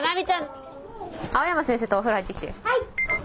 はい！